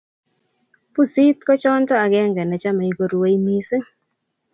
pusii kochonto akenge nehomei koruei misiiing